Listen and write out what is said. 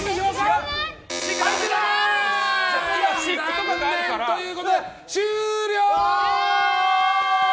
残念ということで終了！